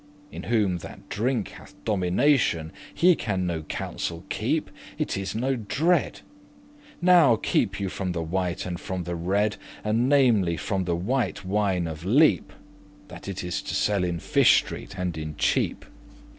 In whom that drink hath domination, He can no counsel keep, it is no dread.* *doubt Now keep you from the white and from the red, And namely* from the white wine of Lepe,<17> *especially That is to sell in Fish Street <18> and in Cheap.